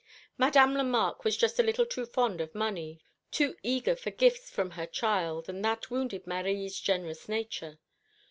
Madame Lemarque was just a little too fond of money, too eager for gifts from her child, and that wounded Marie's generous nature.